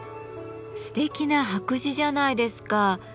すてきな白磁じゃないですか。